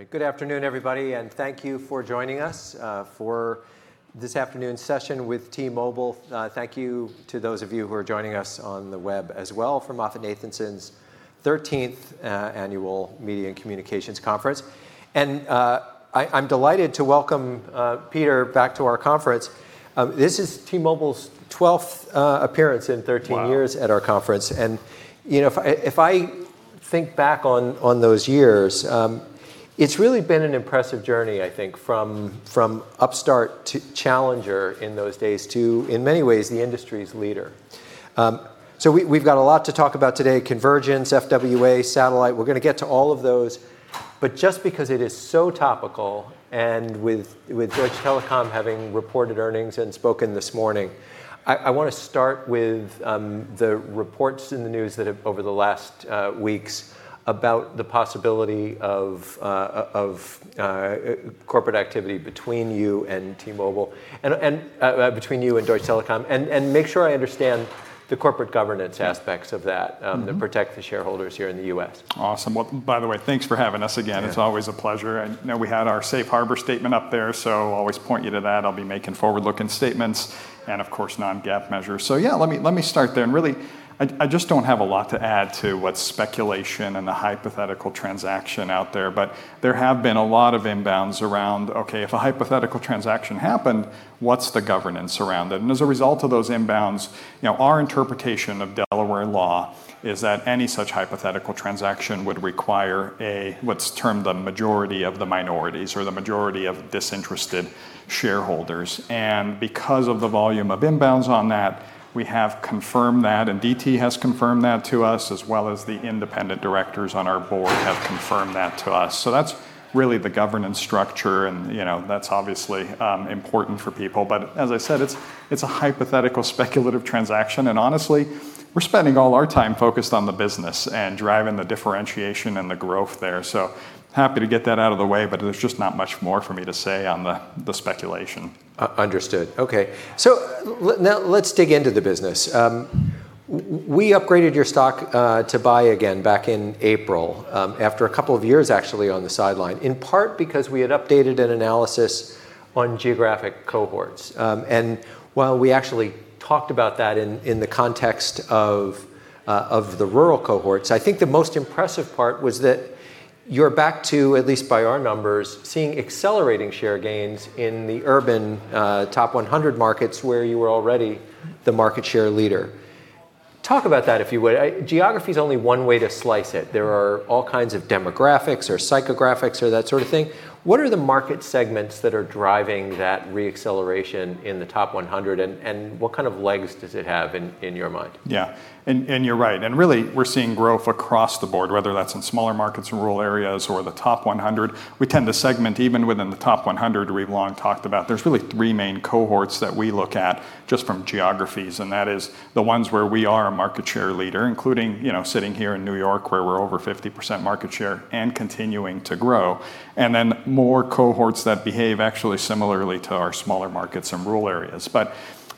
All right. Good afternoon, everybody, and thank you for joining us, for this afternoon's session with T-Mobile. Thank you to those of you who are joining us on the web as well for MoffettNathanson's 13th annual media and communications conference. I'm delighted to welcome, Peter back to our conference. This is T-Mobile's 12th appearance in 13 years- Wow. At our conference. You know, if I, if I think back on those years, it's really been an impressive journey, I think, from upstart to challenger in those days to, in many ways, the industry's leader. We, we've got a lot to talk about today, convergence, FWA, satellite. We're gonna get to all of those. Just because it is so topical, and with Deutsche Telekom having reported earnings and spoken this morning, I wanna start with the reports in the news that have over the last weeks about the possibility of corporate activity between you and T-Mobile. Between you and Deutsche Telekom, and make sure I understand the corporate governance aspects of that protect the shareholders here in the U.S. Awesome. Well, by the way, thanks for having us again. Yeah. It's always a pleasure. I know we had our safe harbor statement up there, always point you to that. I'll be making forward-looking statements and, of course, non-GAAP measures. Yeah, let me start there. Really, I just don't have a lot to add to what speculation and the hypothetical transaction out there. There have been a lot of inbounds around, okay, if a hypothetical transaction happened, what's the governance around it? As a result of those inbounds, you know, our interpretation of Delaware law is that any such hypothetical transaction would require a, what's termed the majority-of-the-minority or the majority of disinterested shareholders. Because of the volume of inbounds on that, we have confirmed that, and DT has confirmed that to us, as well as the independent directors on our board have confirmed that to us. That's really the governance structure. You know, that's obviously important for people. As I said, it's a hypothetical speculative transaction. Honestly, we're spending all our time focused on the business and driving the differentiation and the growth there. Happy to get that out of the way, there's just not much more for me to say on the speculation. Understood. Okay. Now let's dig into the business. We upgraded your stock to buy again back in April after a couple of years actually on the sideline, in part because we had updated an analysis on geographic cohorts. While we actually talked about that in the context of the rural cohorts, I think the most impressive part was that you're back to, at least by our numbers, seeing accelerating share gains in the urban top 100 markets where you were already the market share leader. Talk about that, if you would. Geography is only one way to slice it. There are all kinds of demographics or psychographics or that sort of thing. What are the market segments that are driving that re-acceleration in the top 100 markets, and what kind of legs does it have in your mind? Yeah. You're right. Really, we're seeing growth across the board, whether that's in smaller markets in rural areas or the top 100 markets. We tend to segment even within the top 100 markets we've long talked about. There's really three main cohorts that we look at just from geographies, that is the ones where we are a market share leader, including sitting here in N.Y., where we're over 50% market share and continuing to grow, then more cohorts that behave similarly to our smaller markets in rural areas.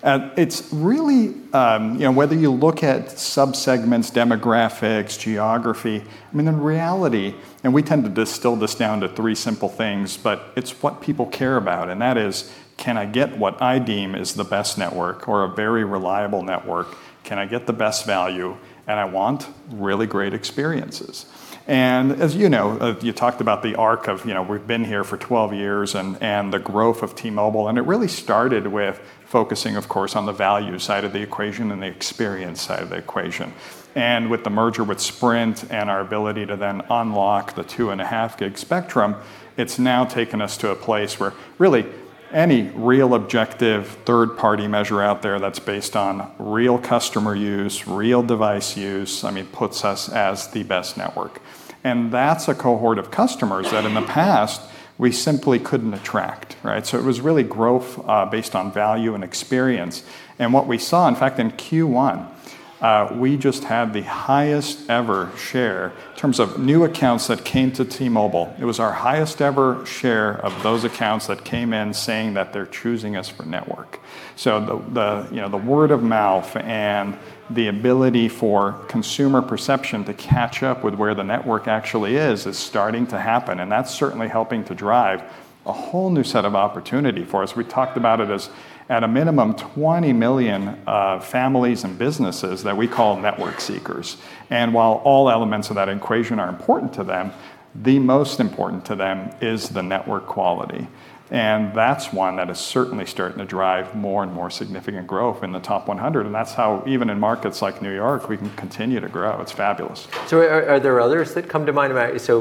It's really, whether you look at subsegments, demographics, geography, in reality, we tend to distill this down to three simple things, it's what people care about, that is, "Can I get what I deem is the best network or a very reliable network? Can I get the best value? I want really great experiences. As you know, you talked about the arc of, you know, we've been here for 12 years and the growth of T-Mobile, and it really started with focusing, of course, on the value side of the equation and the experience side of the equation. With the merger with Sprint and our ability to then unlock the 2.5 GHz spectrum, it's now taken us to a place where really any real objective third-party measure out there that's based on real customer use, real device use, I mean, puts us as the best network. That's a cohort of customers that in the past we simply couldn't attract, right? It was really growth based on value and experience. What we saw, in fact, in Q1, we just had the highest ever share in terms of new accounts that came to T-Mobile. It was our highest ever share of those accounts that came in saying that they're choosing us for network. The, you know, the word of mouth and the ability for consumer perception to catch up with where the network actually is is starting to happen, and that's certainly helping to drive a whole new set of opportunity for us. We talked about it as, at a minimum, 20 million families and businesses that we call network seekers. While all elements of that equation are important to them, the most important to them is the network quality, and that's one that is certainly starting to drive more and more significant growth in the top 100 markets. That's how even in markets like New York, we can continue to grow. It's fabulous. Are there others that come to mind? That's a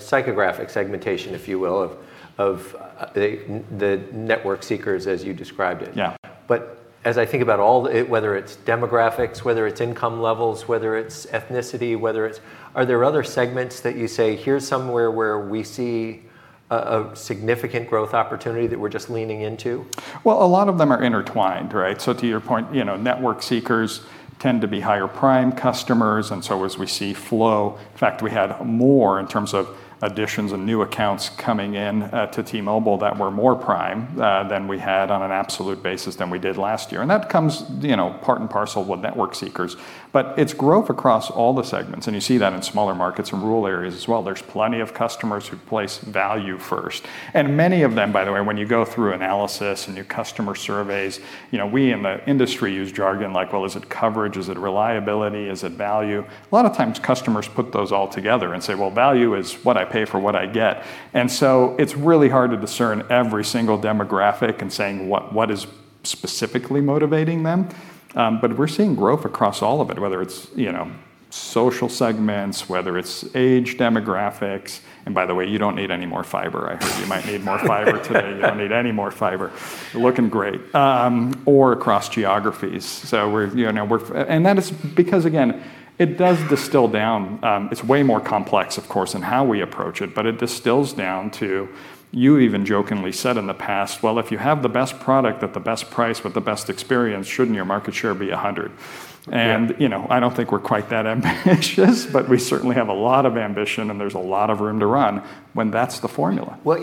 psychographic segmentation, if you will, of the network seekers as you described it. Yeah. As I think about whether it's demographics, whether it's income levels, whether it's ethnicity, are there other segments that you say, "Here's somewhere where we see a significant growth opportunity that we're just leaning into? Well, a lot of them are intertwined, right? To your point, you know, network seekers tend to be higher prime customers, and as we see, in fact, we had more in terms of additions and new accounts coming in to T-Mobile that were more prime than we had on an absolute basis than we did last year. That comes, you know, part and parcel with network seekers. It's growth across all the segments, and you see that in smaller markets and rural areas as well. There's plenty of customers who place value first. Many of them, by the way, when you go through analysis and do customer surveys, you know, we in the industry use jargon like, well, is it coverage? Is it reliability? Is it value? A lot of times customers put those all together and say, "Well, value is what I pay for what I get." It's really hard to discern every single demographic and saying what is specifically motivating them. We're seeing growth across all of it, whether it's, you know, social segments, whether it's age demographics, or across geographies. By the way, you don't need any more fiber. I heard you might need more fiber today. You don't need any more fiber. You're looking great. You know, and that is because, again, it does distill down, it's way more complex, of course, in how we approach it, but it distills down to you even jokingly said in the past, "Well, if you have the best product at the best price with the best experience, shouldn't your market share be 100%? Yeah. You know, I don't think we're quite that ambitious, but we certainly have a lot of ambition, and there's a lot of room to run when that's the formula. Well,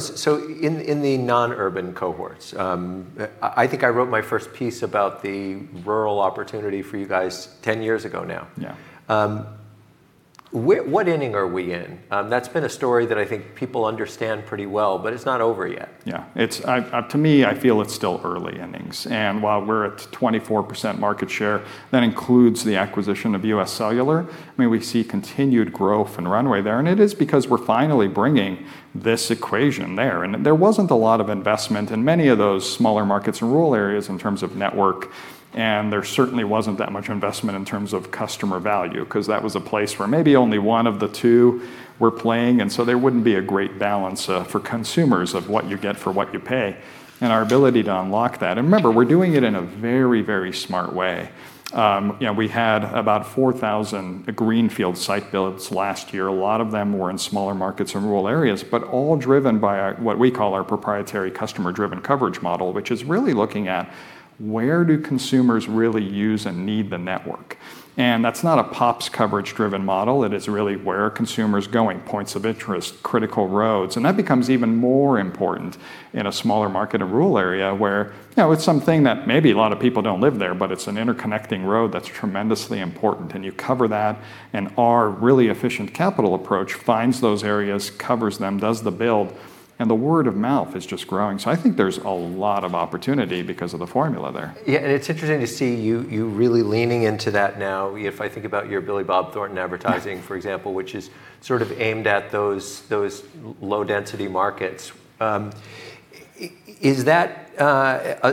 so in the non-urban cohorts, I think I wrote my first piece about the rural opportunity for you guys 10 years ago now. Yeah. What inning are we in? That's been a story that I think people understand pretty well, but it's not over yet. Yeah. To me, I feel it's still early innings. While we're at 24% market share, that includes the acquisition of UScellular, I mean, we see continued growth and runway there. It is because we're finally bringing this equation there. There wasn't a lot of investment in many of those smaller markets and rural areas in terms of network, and there certainly wasn't that much investment in terms of customer value, 'cause that was a place where maybe only one of the two were playing, and so there wouldn't be a great balance for consumers of what you get for what you pay, and our ability to unlock that. Remember, we're doing it in a very, very smart way. You know, we had about 4,000 greenfield site builds last year. A lot of them were in smaller markets and rural areas, but all driven by our, what we call our proprietary customer-driven coverage model, which is really looking at where do consumers really use and need the network. That's not a pops coverage-driven model. It is really where are consumers going, points of interest, critical roads. That becomes even more important in a smaller market, a rural area, where, you know, it's something that maybe a lot of people don't live there, but it's an interconnecting road that's tremendously important, and you cover that. Our really efficient capital approach finds those areas, covers them, does the build, and the word of mouth is just growing. I think there's a lot of opportunity because of the formula there. Yeah. It's interesting to see you really leaning into that now. If I think about your Billy Bob Thornton advertising, for example, which is sort of aimed at those low density markets. Is that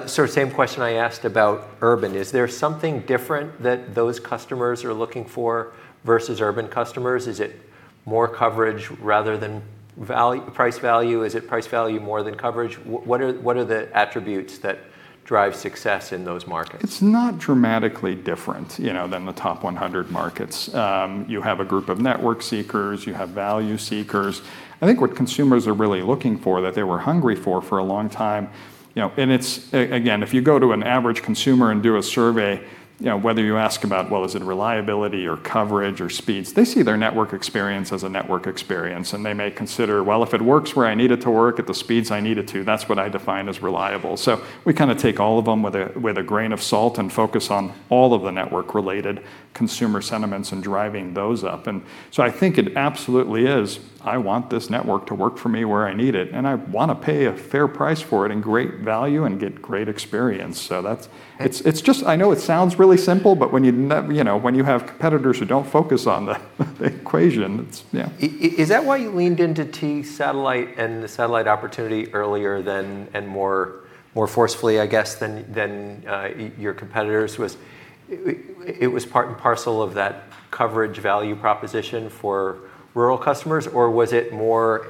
sort of same question I asked about urban, is there something different that those customers are looking for versus urban customers? Is it more coverage rather than value, price value? Is it price value more than coverage? What are the attributes that drive success in those markets? It's not dramatically different, you know, than the top 100 markets. You have a group of network seekers. You have value seekers. I think what consumers are really looking for that they were hungry for for a long time, you know, and it's again, if you go to an average consumer and do a survey, you know, whether you ask about, well, is it reliability or coverage or speeds, they see their network experience as a network experience, and they may consider, "Well, if it works where I need it to work at the speeds I need it to, that's what I define as reliable." We kinda take all of them with a grain of salt and focus on all of the network-related consumer sentiments and driving those up. I think it absolutely is. I want this network to work for me where I need it, and I wanna pay a fair price for it and great value and get great experience. That's, it's just I know it sounds really simple, but when you know, when you have competitors who don't focus on the equation, it's, yeah. Is that why you leaned into T-Satellite and the satellite opportunity earlier than, and more, more forcefully, I guess, than your competitors was it part and parcel of that coverage value proposition for rural customers, or was it more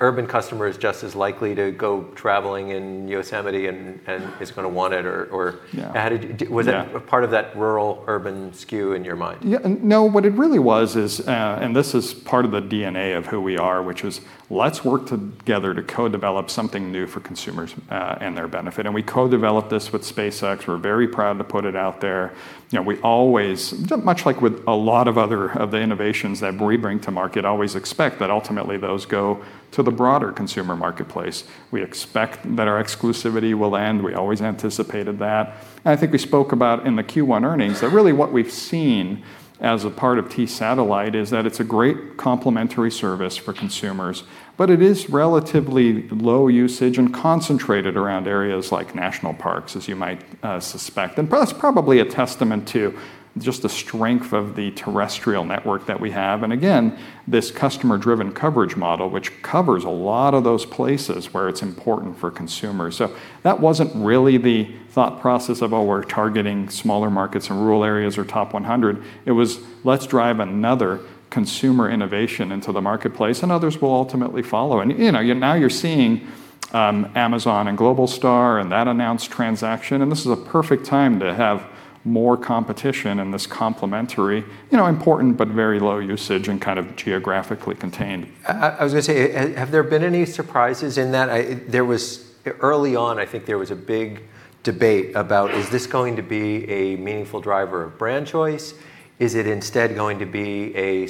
urban customers just as likely to go traveling in Yosemite and is gonna want it or? Yeah. How did it d-? Yeah. Was that a part of that rural-urban skew in your mind? Yeah, no, what it really was is, this is part of the DNA of who we are, which is let's work together to co-develop something new for consumers, and their benefit. We co-developed this with SpaceX. We're very proud to put it out there. You know, we always, much like with a lot of other, of the innovations that we bring to market, always expect that ultimately those go to the broader consumer marketplace. We expect that our exclusivity will end. We always anticipated that. I think we spoke about in the Q1 earnings that really what we've seen as a part of T-Satellite is that it's a great complementary service for consumers. It is relatively low usage and concentrated around areas like national parks, as you might suspect, and plus probably a testament to just the strength of the terrestrial network that we have. Again, this customer-driven coverage model, which covers a lot of those places where it's important for consumers. That wasn't really the thought process of, oh, we're targeting smaller markets and rural areas or top 100 markets. It was, let's drive another consumer innovation into the marketplace, and others will ultimately follow. You know, now you're seeing Amazon and Globalstar and that announced transaction, and this is a perfect time to have more competition in this complementary, you know, important but very low usage and kind of geographically contained. I was going to say, have there been any surprises in that? There was early on, I think there was a big debate about is this going to be a meaningful driver of brand choice? Is it instead going to be a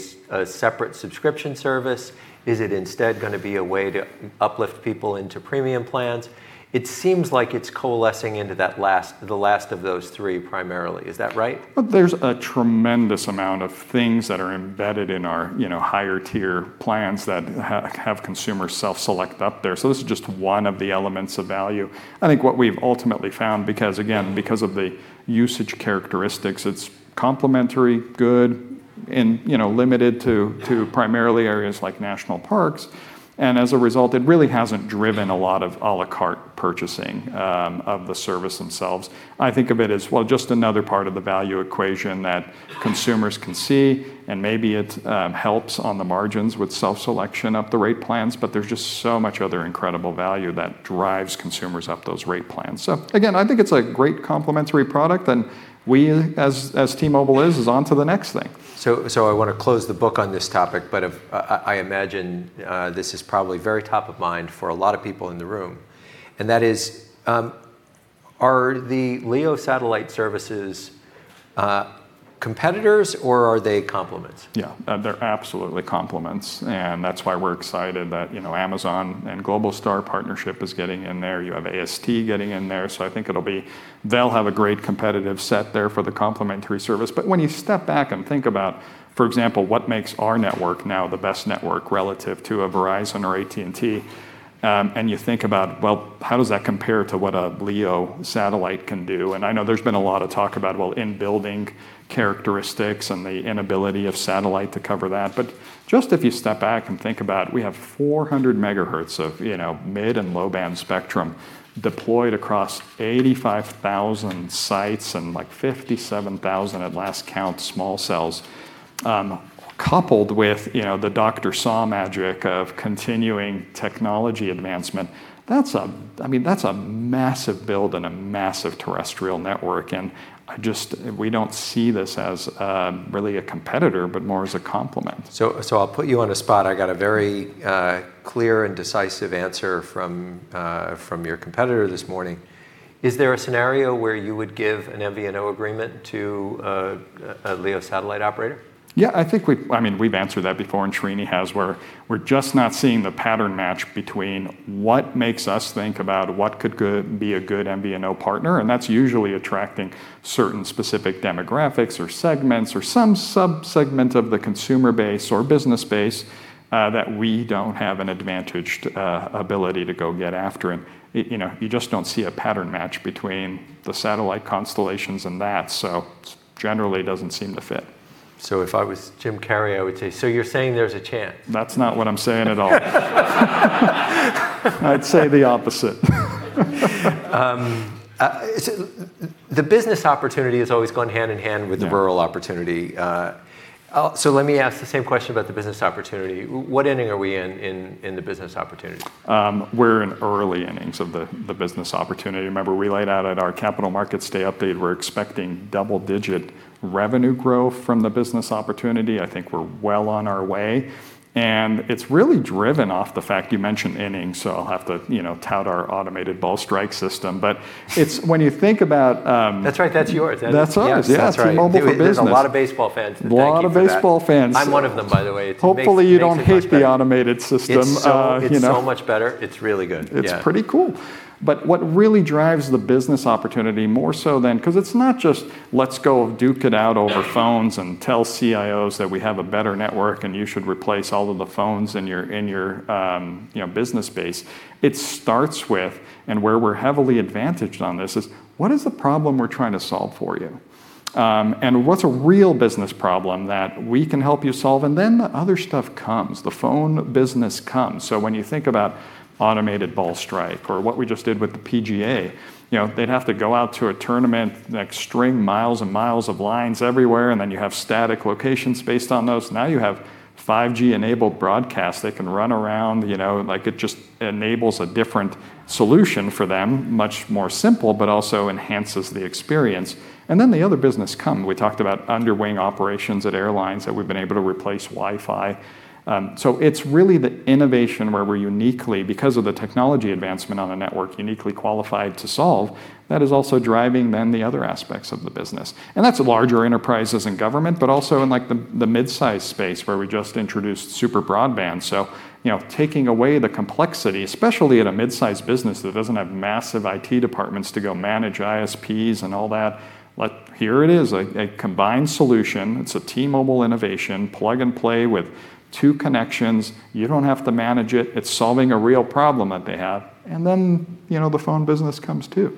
separate subscription service? Is it instead going to be a way to uplift people into premium plans? It seems like it's coalescing into that last, the last of those three primarily. Is that right? Well, there's a tremendous amount of things that are embedded in our, you know, higher tier plans that have consumers self-select up there. This is just one of the elements of value. I think what we've ultimately found, because again, because of the usage characteristics, it's complementary, good, and, you know, limited to primarily areas like national parks. As a result, it really hasn't driven a lot of à la carte purchasing of the service themselves. I think of it as, well, just another part of the value equation that consumers can see, and maybe it helps on the margins with self-selection up the rate plans. There's just so much other incredible value that drives consumers up those rate plans. Again, I think it's a great complementary product, and we as T-Mobile is onto the next thing. I wanna close the book on this topic. I imagine this is probably very top of mind for a lot of people in the room, and that is, are the LEO satellite services competitors or are they complements? They're absolutely complements, and that's why we're excited that, you know, Amazon and Globalstar partnership is getting in there. You have AST getting in there. I think They'll have a great competitive set there for the complementary service. When you step back and think about, for example, what makes our network now the best network relative to a Verizon or AT&T, and you think about, well, how does that compare to what a LEO satellite can do, and I know there's been a lot of talk about, well, in-building characteristics and the inability of satellite to cover that. Just if you step back and think about we have 400 MHz of, you know, mid and low-band spectrum deployed across 85,000 sites and, like, 57,000 at last count small cells, coupled with, you know, the Dr. Saw magic of continuing technology advancement, that's a I mean, that's a massive build and a massive terrestrial network. We don't see this as, really a competitor, but more as a complement. I'll put you on a spot. I got a very clear and decisive answer from your competitor this morning. Is there a scenario where you would give an MVNO agreement to a LEO satellite operator? Yeah, I mean, we've answered that before, and Srini has, where we're just not seeing the pattern match between what makes us think about what could be a good MVNO partner, and that's usually attracting certain specific demographics or segments or some sub-segment of the consumer base or business base that we don't have an advantaged ability to go get after. You know, you just don't see a pattern match between the satellite constellations and that. It generally doesn't seem to fit. If I was Jim Carrey, I would say, "So you're saying there's a chance. That's not what I'm saying at all. I'd say the opposite. The business opportunity has always gone hand-in-hand. Yeah. The rural opportunity. Let me ask the same question about the business opportunity. What inning are we in the business opportunity? We're in early innings of the business opportunity. Remember we laid out at our capital markets day update we're expecting double-digit revenue growth from the business opportunity. I think we're well on our way. It's really driven off the fact You mentioned innings, so I'll have to, you know, tout our Automated Ball-Strike System. That's right. That's yours. That's ours. Yes. That's right. Yeah, it's T-Mobile for Business. There's a lot of baseball fans. Thank you for that. A lot of baseball fans. I'm one of them, by the way. It makes it much better. Hopefully you don't hate the automated system. You know. It's so much better. It's really good. Yeah. It's pretty cool. What really drives the business opportunity more so than because it's not just, let's go duke it out over phones and tell CIOs that we have a better network, and you should replace all of the phones in your business base. It starts with, and where we're heavily advantaged on this, is what is the problem we're trying to solve for you? What's a real business problem that we can help you solve? The other stuff comes. The phone business comes. When you think about Automated Ball-Strike or what we just did with the PGA, you know, they'd have to go out to a tournament, like string miles and miles of lines everywhere, and then you have static locations based on those. Now you have 5G enabled broadcast. They can run around, you know. Like, it just enables a different solution for them, much more simple, but also enhances the experience. The other business come. We talked about underwing operations at airlines, that we've been able to replace Wi-Fi. It's really the innovation where we're uniquely, because of the technology advancement on the network, uniquely qualified to solve, that is also driving then the other aspects of the business. That's larger enterprises and government, but also in like the midsize space where we just introduced SuperBroadband. You know, taking away the complexity, especially at a midsize business that doesn't have massive IT departments to go manage ISPs and all that. Like, here it is, a combined solution. It's a T-Mobile innovation, plug and play with two connections. You don't have to manage it. It's solving a real problem that they have. Then, you know, the phone business comes too.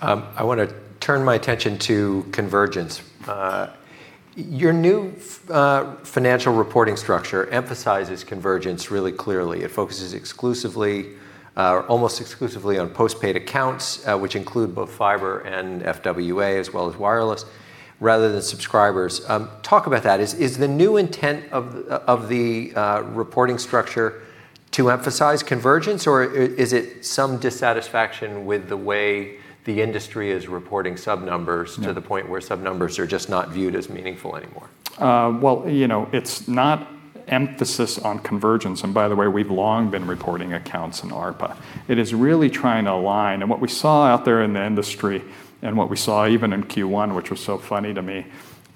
I wanna turn my attention to convergence. Your new financial reporting structure emphasizes convergence really clearly. It focuses exclusively, or almost exclusively on postpaid accounts, which include both fiber and FWA as well as wireless, rather than subscribers. Talk about that. Is the new intent of the reporting structure to emphasize convergence, or is it some dissatisfaction with the way the industry is reporting sub numbers? No. To the point where sub numbers are just not viewed as meaningful anymore? Well, you know, it's not emphasis on convergence, by the way, we've long been reporting accounts in ARPA. It is really trying to align. What we saw out there in the industry, and what we saw even in Q1, which was so funny to me,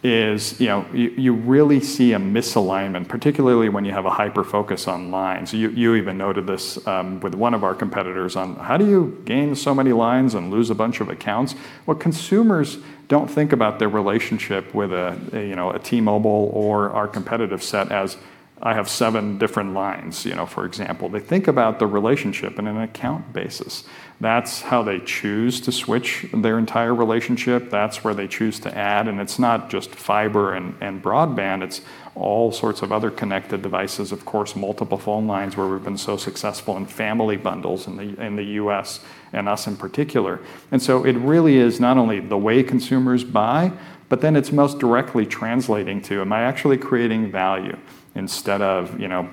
is, you know, you really see a misalignment, particularly when you have a hyper-focus on lines. You even noted this with one of our competitors on how do you gain so many lines and lose a bunch of accounts? Well, consumers don't think about their relationship with a, you know, a T-Mobile or our competitive set as I have seven different lines, you know, for example. They think about the relationship in an account basis. That's how they choose to switch their entire relationship. That's where they choose to add, it's not just fiber and broadband, it's all sorts of other connected devices, of course, multiple phone lines where we've been so successful, and family bundles in the U.S., and us in particular. It really is not only the way consumers buy, it's most directly translating to, am I actually creating value instead of, you know,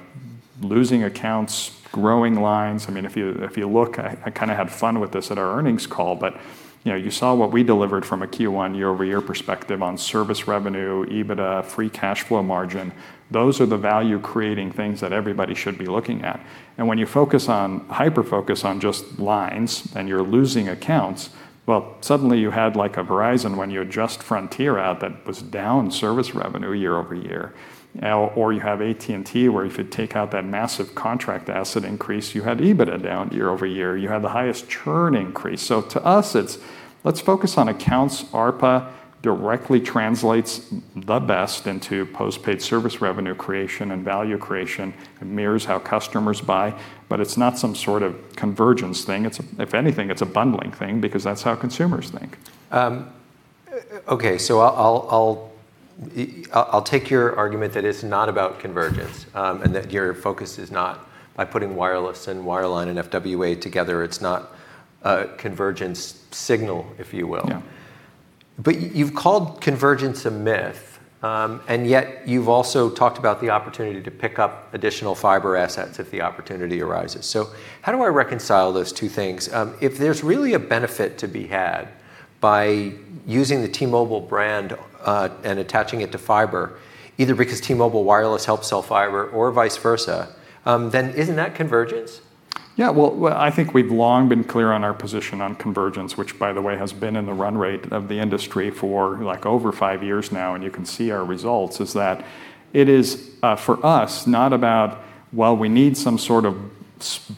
losing accounts, growing lines? I mean, if you look, I kind of had fun with this at our earnings call, but, you know, you saw what we delivered from a Q1 year-over-year perspective on service revenue, EBITDA, free cash flow margin. Those are the value-creating things that everybody should be looking at. When you hyper-focus on just lines and you're losing accounts, well, suddenly you had like a Verizon when you adjust Frontier out that was down service revenue year-over-year. You have AT&T where if you take out that massive contract asset increase, you had EBITDA down year-over-year. You had the highest churn increase. To us, it's, let's focus on accounts. ARPA directly translates the best into post-paid service revenue creation and value creation. It mirrors how customers buy. It's not some sort of convergence thing. If anything, it's a bundling thing because that's how consumers think. I'll take your argument that it's not about convergence, and that your focus is not by putting wireless and wireline and FWA together, it's not a convergence signal, if you will. Yeah. You've called convergence a myth, and yet you've also talked about the opportunity to pick up additional fiber assets if the opportunity arises. How do I reconcile those two things? If there's really a benefit to be had by using the T-Mobile brand, and attaching it to fiber, either because T-Mobile wireless helps sell fiber or vice versa, isn't that convergence? Yeah. Well, I think we've long been clear on our position on convergence, which by the way, has been in the run rate of the industry for, like, over five years now, and you can see our results, is that it is for us not about, well, we need some sort of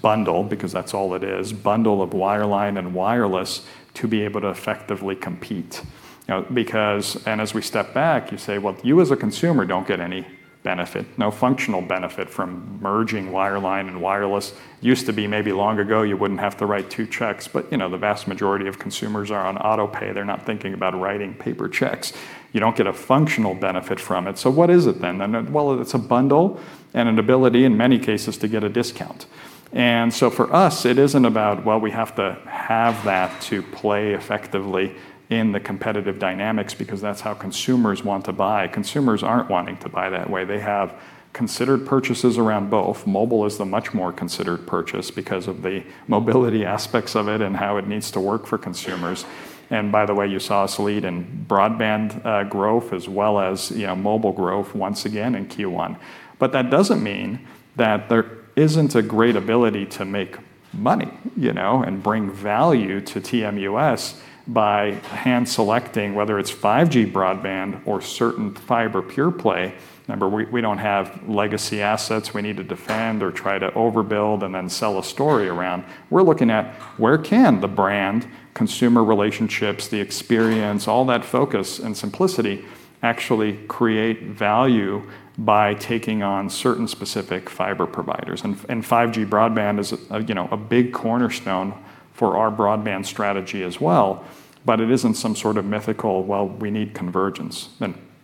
bundle, because that's all it is, bundle of wireline and wireless to be able to effectively compete. You know, as we step back, you say, well, you as a consumer don't get any benefit, no functional benefit from merging wireline and wireless. Used to be maybe long ago, you wouldn't have to write two checks, you know, the vast majority of consumers are on auto pay. They're not thinking about writing paper checks. You don't get a functional benefit from it. What is it then? Well, it's a bundle and an ability, in many cases, to get a discount. For us, it isn't about, well, we have to have that to play effectively in the competitive dynamics because that's how consumers want to buy. Consumers aren't wanting to buy that way. They have considered purchases around both. Mobile is the much more considered purchase because of the mobility aspects of it and how it needs to work for consumers. By the way, you saw us lead in broadband growth as well as, you know, mobile growth once again in Q1. That doesn't mean that there isn't a great ability to make money, you know, and bring value to TMUS by hand selecting whether it's 5G broadband or certain fiber pure play. Remember, we don't have legacy assets we need to defend or try to overbuild and then sell a story around. We're looking at where can the brand, consumer relationships, the experience, all that focus and simplicity actually create value by taking on certain specific fiber providers. 5G broadband is a, you know, a big cornerstone for our broadband strategy as well, but it isn't some sort of mythical, well, we need convergence.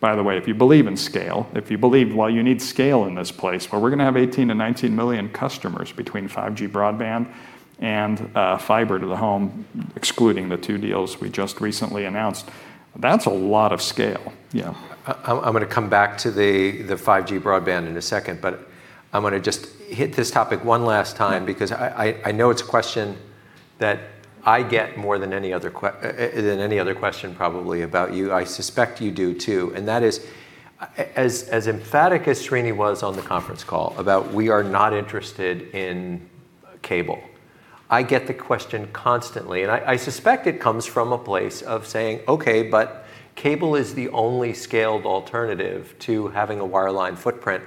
By the way, if you believe in scale, if you believe, well, you need scale in this place, but we're gonna have 18 million-19 million customers between 5G broadband and fiber to the home, excluding the 2 deals we just recently announced. That's a lot of scale. Yeah. I'm gonna come back to the 5G broadband in a second, but I'm gonna just hit this topic one last time because I know it's a question that I get more than any other question probably about you. I suspect you do too, and that is as emphatic as Srini was on the conference call about we are not interested in cable, I get the question constantly, and I suspect it comes from a place of saying, "Okay, but cable is the only scaled alternative to having a wireline footprint."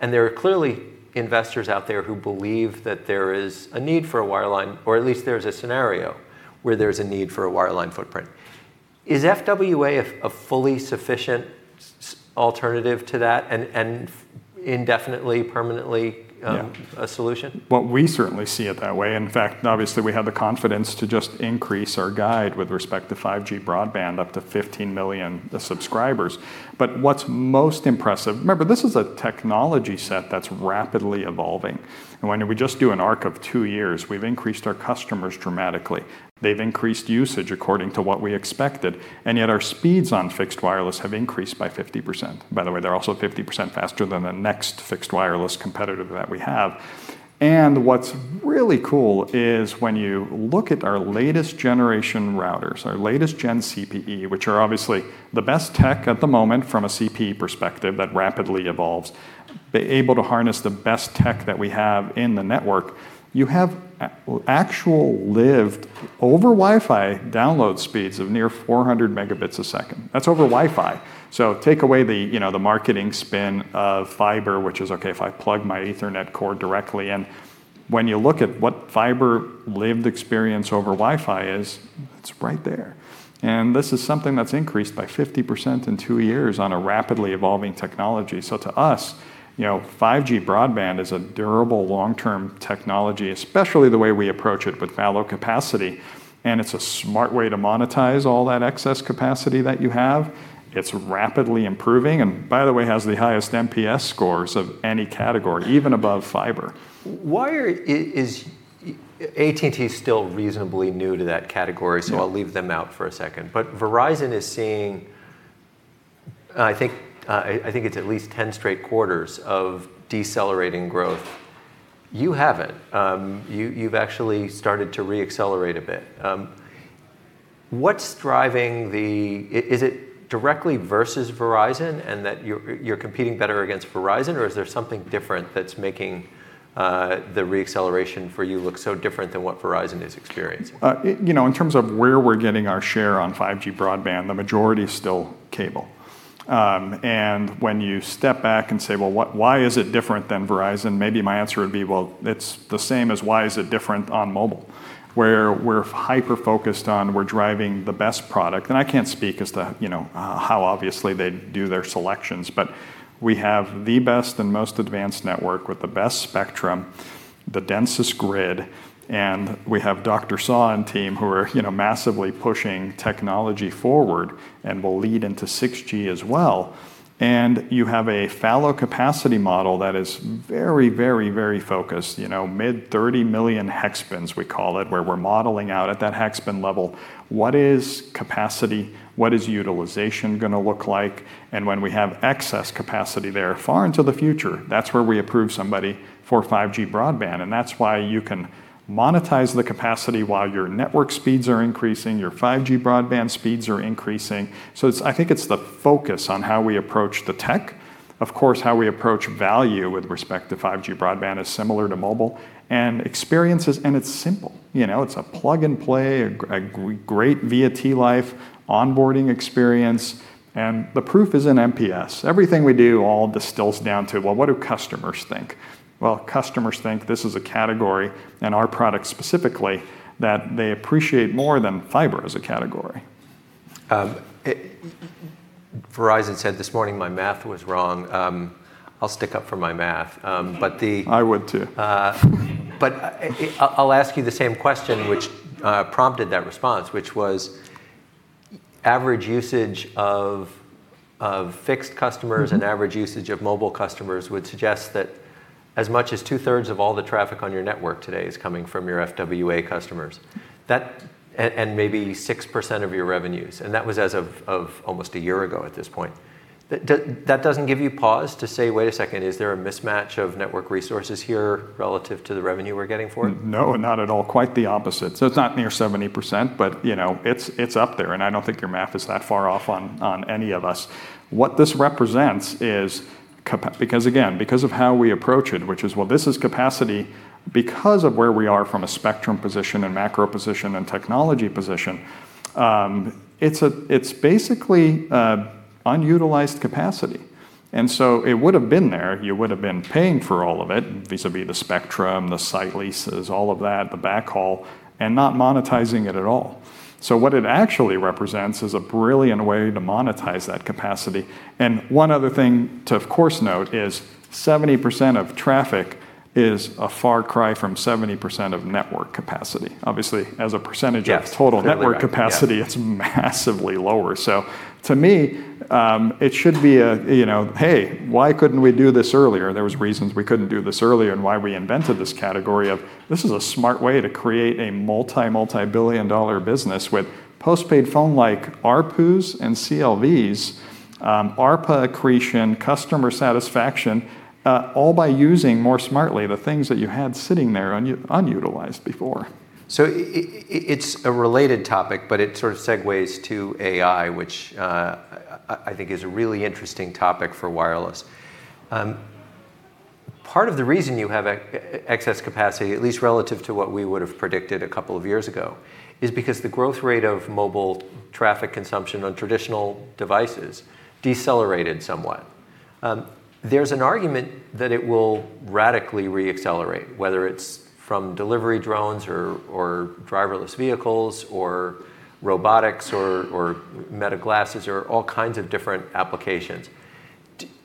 There are clearly investors out there who believe that there is a need for a wireline, or at least there's a scenario where there's a need for a wireline footprint. Is FWA a fully sufficient alternative to that and indefinitely, permanently? Yeah. A solution? Well, we certainly see it that way. In fact, obviously, we have the confidence to just increase our guide with respect to 5G broadband up to 15 million subscribers. What's most impressive. Remember, this is a technology set that's rapidly evolving. When we just do an arc of two years, we've increased our customers dramatically. They've increased usage according to what we expected, and yet our speeds on fixed wireless have increased by 50%. By the way, they're also 50% faster than the next fixed wireless competitor that we have. What's really cool is when you look at our latest generation routers, our latest gen CPE, which are obviously the best tech at the moment from a CPE perspective that rapidly evolves. Be able to harness the best tech that we have in the network. You have actual lived over Wi-Fi download speeds of near 400 Mb a second. That's over Wi-Fi. Take away the, you know, the marketing spin of fiber, which is okay if I plug my Ethernet cord directly in. When you look at what fiber lived experience over Wi-Fi is, it's right there. This is something that's increased by 50% in two years on a rapidly evolving technology. To us, you know, 5G broadband is a durable long-term technology, especially the way we approach it with fallow capacity, and it's a smart way to monetize all that excess capacity that you have. It's rapidly improving, and by the way, has the highest NPS scores of any category, even above fiber. Why is AT&T still reasonably new to that category? Yeah. I'll leave them out for a second. Verizon is seeing, I think, I think it's at least 10 straight quarters of decelerating growth. You haven't. You've actually started to re-accelerate a bit. What's driving, is it directly versus Verizon and that you're competing better against Verizon, or is there something different that's making the re-acceleration for you look so different than what Verizon is experiencing? You know, in terms of where we're getting our share on 5G broadband, the majority is still cable. When you step back and say, "Well, why is it different than Verizon?" Maybe my answer would be, well, it's the same as why is it different on mobile, where we're hyper-focused on we're driving the best product. I can't speak as to, you know, how obviously they do their selections, but we have the best and most advanced network with the best spectrum, the densest grid, and we have Dr. Saw and team who are, you know, massively pushing technology forward and will lead into 6G as well. You have a fallow capacity model that is very, very, very focused. You know, mid 30 million hexbins, we call it, where we're modeling out at that hexbin level what is capacity, what is utilization gonna look like. When we have excess capacity there far into the future, that's where we approve somebody for 5G broadband. That's why you can monetize the capacity while your network speeds are increasing, your 5G broadband speeds are increasing. I think it's the focus on how we approach the tech. Of course, how we approach value with respect to 5G broadband is similar to mobile. Experiences, and it's simple. You know, it's a plug-and-play, a great T-Life onboarding experience, and the proof is in NPS. Everything we do all distills down to, well, what do customers think? Customers think this is a category, and our product specifically, that they appreciate more than fiber as a category. it Verizon said this morning my math was wrong. I'll stick up for my math. I would too. I'll ask you the same question which prompted that response, which was average usage of fixed customers and average usage of mobile customers would suggest that as much as two-thirds of all the traffic on your network today is coming from your FWA customers. Maybe 6% of your revenues, and that was as of almost a year ago at this point. That doesn't give you pause to say, "Wait a second, is there a mismatch of network resources here relative to the revenue we're getting for it? No, not at all. Quite the opposite. It's not near 70%, but you know, it's up there, and I don't think your math is that far off on any of us. What this represents is Because again, because of how we approach it, which is, well, this is capacity, because of where we are from a spectrum position and macro position and technology position, it's a, it's basically unutilized capacity. It would've been there, you would've been paying for all of it, vis-à-vis the spectrum, the site leases, all of that, the backhaul, and not monetizing it at all. What it actually represents is a brilliant way to monetize that capacity. One other thing to, of course, note is 70% of traffic is a far cry from 70% of network capacity. Yes. Total network capacity. Fairly right, yeah. It's massively lower. To me, hey, why couldn't we do this earlier? There was reasons we couldn't do this earlier and why we invented this category of this is a smart way to create a multi-billion dollar business with post-paid phone like ARPUs and CLVs, ARPA accretion, customer satisfaction, all by using more smartly the things that you had sitting there unutilized before. It's a related topic, but it sort of segues to AI, which I think is a really interesting topic for wireless. Part of the reason you have excess capacity, at least relative to what we would have predicted a couple of years ago, is because the growth rate of mobile traffic consumption on traditional devices decelerated somewhat. There's an argument that it will radically re-accelerate, whether it's from delivery drones or driverless vehicles or robotics or meta glasses or all kinds of different applications.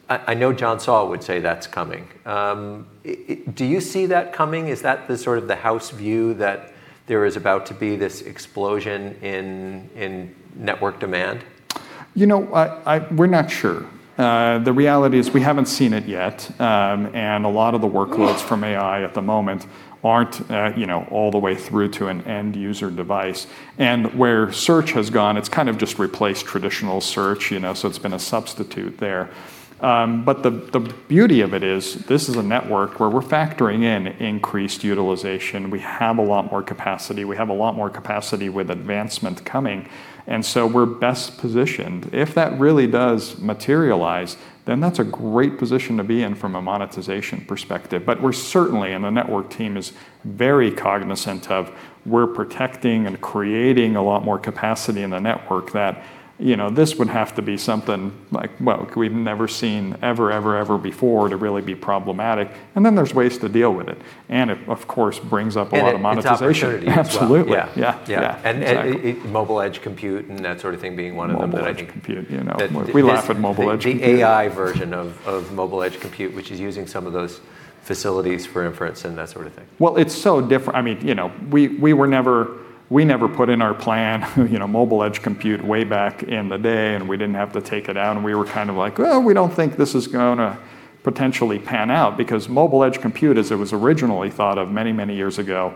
I know John Saw would say that's coming. Do you see that coming? Is that the sort of the house view that there is about to be this explosion in network demand? You know, we're not sure. The reality is we haven't seen it yet. A lot of the workloads from AI at the moment aren't, you know, all the way through to an end user device. Where search has gone, it's kind of just replaced traditional search, you know, so it's been a substitute there. The beauty of it is this is a network where we're factoring in increased utilization. We have a lot more capacity. We have a lot more capacity with advancement coming, and so we're best positioned. If that really does materialize, then that's a great position to be in from a monetization perspective. We're certainly, and the network team is very cognizant of we're protecting and creating a lot more capacity in the network that, you know, this would have to be something, like, well, we've never seen ever, ever before to really be problematic, and then there's ways to deal with it, and it, of course, brings up a lot of monetization. It's opportunity as well. Absolutely. Yeah. Yeah. Yeah. Yeah, exactly. mobile edge computing and that sort of thing being one of them. Mobile edge compute. That I think that this. You know, we laugh at mobile edge computing. The AI version of mobile edge computing, which is using some of those facilities for inference and that sort of thing. Well, it's so different. I mean, you know, We never put in our plan, you know, mobile edge computing way back in the day, and we didn't have to take it out, and we were kind of like, "Well, we don't think this is gonna potentially pan out," because mobile edge computing as it was originally thought of many, many years ago,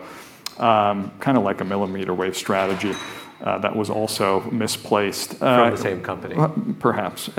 kind of like a millimeter wave strategy, that was also misplaced. From the same company. Perhaps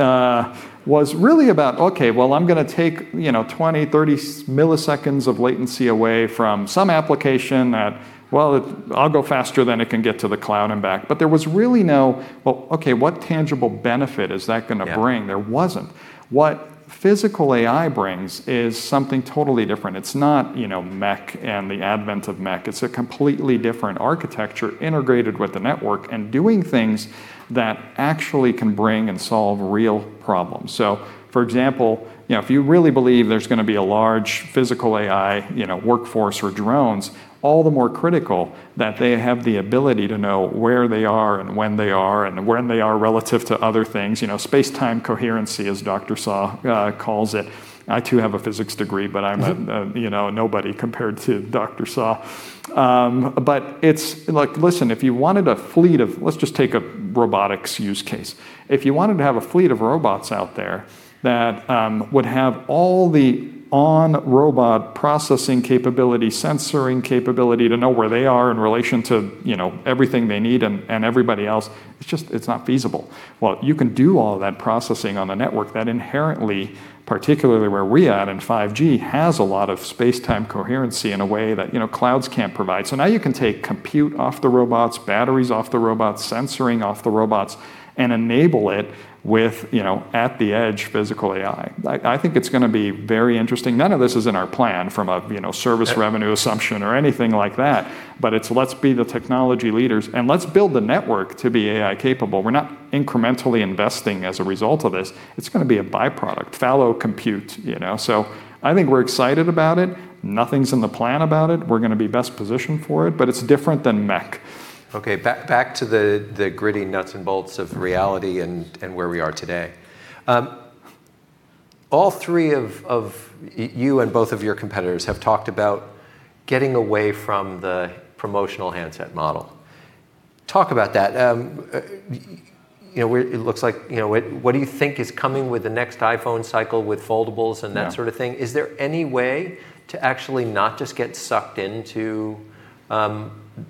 was really about, okay, well, I'm gonna take, you know, 20, 30 milliseconds of latency away from some application that, well, it'll go faster than it can get to the cloud and back. There was really no, well, okay, what tangible benefit is that gonna bring? Yeah. There wasn't. What Physical AI brings is something totally different. It's not, you know, MEC and the advent of MEC. It's a completely different architecture integrated with the network and doing things that actually can bring and solve real problems. For example, you know, if you really believe there's gonna be a large Physical AI, you know, workforce or drones, all the more critical that they have the ability to know where they are and when they are and when they are relative to other things. You know, space-time coherency as John Saw calls it. I too have a physics degree, but I'm a, you know, a nobody compared to John Saw. It's, like, listen, Let's just take a robotics use case. If you wanted to have a fleet of robots out there that would have all the on-robot processing capability, sensoring capability to know where they are in relation to, you know, everything they need and everybody else, it's just, it's not feasible. You can do all that processing on the network that inherently, particularly where we at in 5G, has a lot of space-time coherency in a way that, you know, clouds can't provide. Now you can take compute off the robots, batteries off the robots, sensoring off the robots, and enable it with, you know, at the edge Physical AI. I think it's gonna be very interesting. None of this is in our plan from a, you know, service revenue assumption or anything like that, but it's let's be the technology leaders and let's build the network to be AI capable. We're not incrementally investing as a result of this. It's gonna be a byproduct, fallow capacity, you know? I think we're excited about it. Nothing's in the plan about it. We're gonna be best positioned for it. It's different than MEC. Okay. Back to the gritty nuts and bolts of reality and where we are today. All three of you and both of your competitors have talked about getting away from the promotional handset model. Talk about that. you know, where it looks like, you know What do you think is coming with the next iPhone cycle with foldables. Yeah, Sort of thing? Is there any way to actually not just get sucked into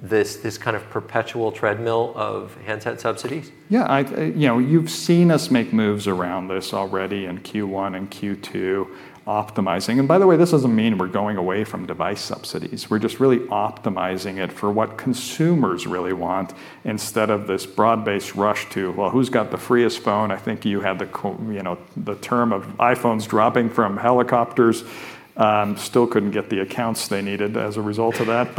this kind of perpetual treadmill of handset subsidies? Yeah. I, you know, you've seen us make moves around this already in Q1 and Q2, optimizing. By the way, this doesn't mean we're going away from device subsidies. We're just really optimizing it for what consumers really want instead of this broad-based rush to, well, who's got the freest phone. I think you had the, you know, the term of iPhone dropping from helicopters. Still couldn't get the accounts they needed as a result of that,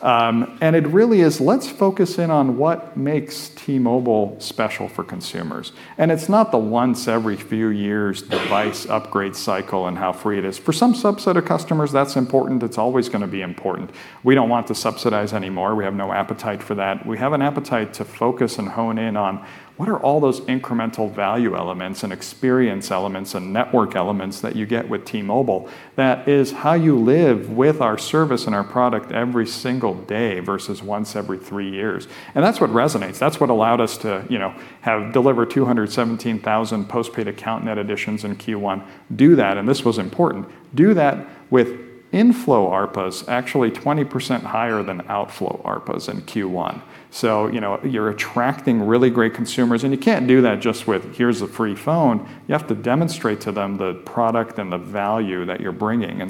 so be it. It really is let's focus in on what makes T-Mobile special for consumers, and it's not the once every few years device upgrade cycle and how free it is. For some subset of customers, that's important. It's always gonna be important. We don't want to subsidize anymore. We have no appetite for that. We have an appetite to focus and hone in on, what are all those incremental value elements and experience elements and network elements that you get with T-Mobile that is how you live with our service and our product every single day versus once every three years? That's what resonates. That's what allowed us to, you know, have deliver 217,000 postpaid account net additions in Q1. Do that, and this was important. Do that with inflow ARPUs actually 20% higher than outflow ARPUs in Q1. You know, you're attracting really great consumers, and you can't do that just with here's a free phone. You have to demonstrate to them the product and the value that you're bringing.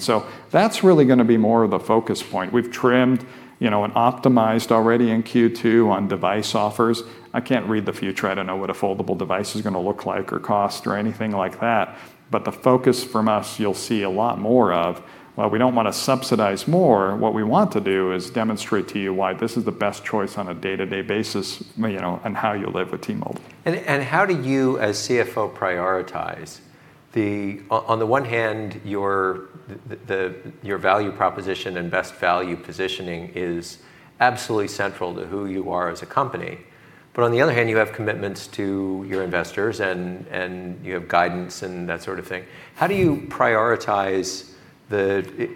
That's really gonna be more of the focus point. We've trimmed, you know, and optimized already in Q2 on device offers. I can't read the future. I don't know what a foldable device is going to look like or cost or anything like that. The focus from us, you'll see a lot more of, well, we don't want to subsidize more. What we want to do is demonstrate to you why this is the best choice on a day-to-day basis, you know, and how you live with T-Mobile. How do you as CFO prioritize on the one hand, your value proposition and best value positioning is absolutely central to who you are as a company. On the other hand, you have commitments to your investors and you have guidance and that sort of thing. How do you prioritize the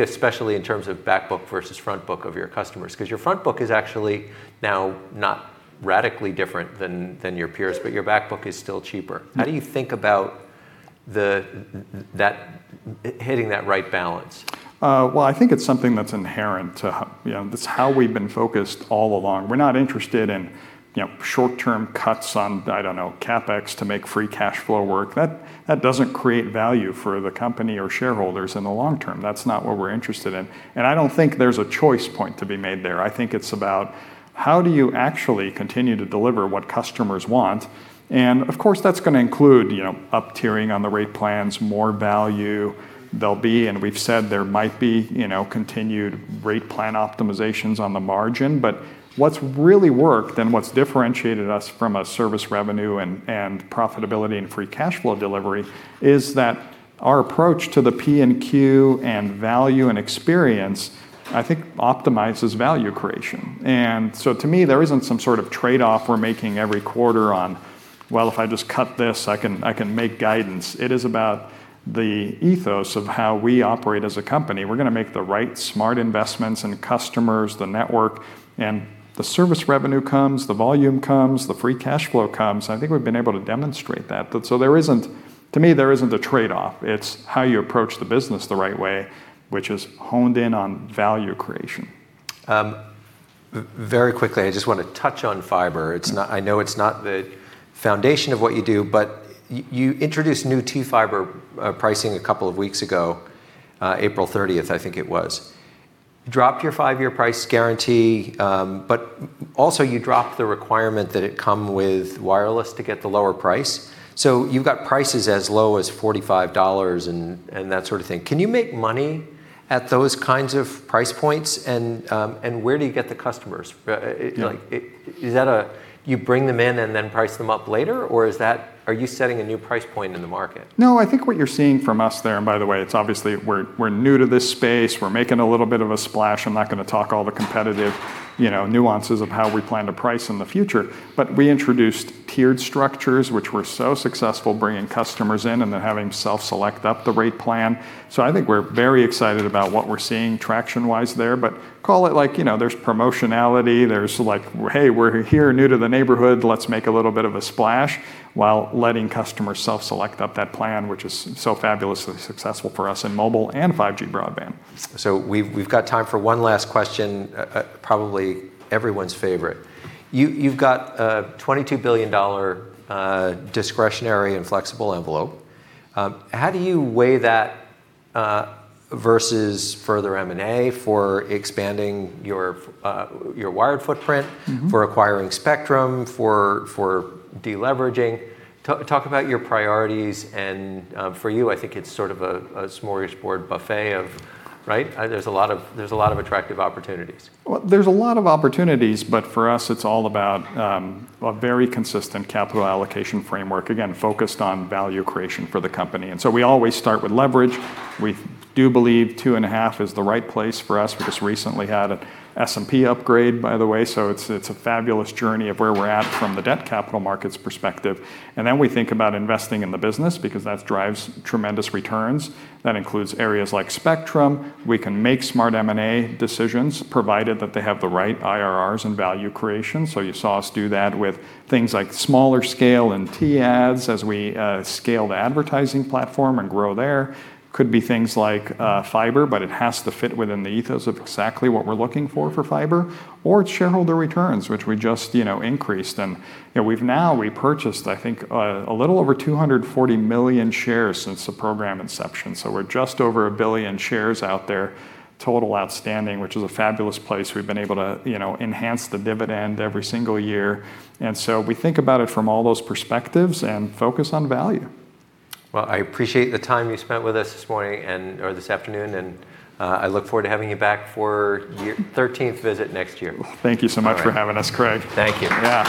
especially in terms of back book versus front book of your customers? Because your front book is actually now not radically different than your peers, but your back book is still cheaper. How do you think about that, hitting that right balance? Well, I think it's something that's inherent to. You know, that's how we've been focused all along. We're not interested in, you know, short-term cuts on, I don't know, CapEx to make free cash flow work. That doesn't create value for the company or shareholders in the long term. That's not what we're interested in, and I don't think there's a choice point to be made there. I think it's about how do you actually continue to deliver what customers want? Of course, that's gonna include, you know, up-tiering on the rate plans, more value. There'll be, and we've said there might be, you know, continued rate plan optimizations on the margin. What's really worked and what's differentiated us from a service revenue and profitability and free cash flow delivery is that our approach to the P&Q and value and experience, I think optimizes value creation. To me, there isn't some sort of trade-off we're making every quarter on, "Well, if I just cut this, I can make guidance." It is about the ethos of how we operate as a company. We're gonna make the right smart investments in customers, the network, and the service revenue comes, the volume comes, the free cash flow comes. I think we've been able to demonstrate that. To me, there isn't a trade-off. It's how you approach the business the right way, which is honed in on value creation. Very quickly, I just wanna touch on fiber. I know it's not the foundation of what you do, but you introduced new T-Mobile Fiber pricing a couple of weeks ago, April 30th, I think it was. You dropped your five-year price guarantee, also you dropped the requirement that it come with wireless to get the lower price. You've got prices as low as $45 and that sort of thing. Can you make money at those kinds of price points? Where do you get the customers? Yeah. Is that a you bring them in and then price them up later, or is that, are you setting a new price point in the market? I think what you're seeing from us there, and by the way, it's obviously we're new to this space. We're making a little bit of a splash. I'm not gonna talk all the competitive, you know, nuances of how we plan to price in the future. We introduced tiered structures, which were so successful bringing customers in and then having self-select up the rate plan. I think we're very excited about what we're seeing traction-wise there. Call it like, you know, there's promotionality, there's like, "Hey, we're here, new to the neighborhood. Let's make a little bit of a splash," while letting customers self-select up that plan, which is so fabulously successful for us in mobile and 5G broadband. We've got time for one last question, probably everyone's favorite. You've got a $22 billion discretionary and flexible envelope. How do you weigh that versus further M&A for expanding your wired footprint? For acquiring spectrum, for deleveraging? Talk about your priorities and for you, I think it's sort of a smorgasbord buffet of right? There's a lot of attractive opportunities. Well, there's a lot of opportunities, but for us it's all about a very consistent capital allocation framework, again, focused on value creation for the company. We always start with leverage. We do believe 2.5% is the right place for us. We just recently had an S&P upgrade, by the way, so it's a fabulous journey of where we're at from the debt capital markets perspective. We think about investing in the business because that drives tremendous returns. That includes areas like spectrum. We can make smart M&A decisions, provided that they have the right IRRs and value creation. You saw us do that with things like smaller scale and T-Ads as we scale the advertising platform and grow there. Could be things like fiber, but it has to fit within the ethos of exactly what we're looking for for fiber, or shareholder returns, which we just, you know, increased. You know, we've now repurchased, I think, a little over 240 million shares since the program inception. We're just over a billion shares out there total outstanding, which is a fabulous place. We've been able to, you know, enhance the dividend every single year. We think about it from all those perspectives and focus on value. Well, I appreciate the time you spent with us this morning and, or this afternoon, and I look forward to having you back for your 13th visit next year. Thank you so much for having us, Craig. Thank you. Yeah.